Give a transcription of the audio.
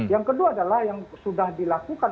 yang kedua adalah yang sudah dilakukan